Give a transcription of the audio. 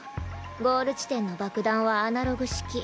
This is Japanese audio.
ゴール地点の爆弾はアナログ式。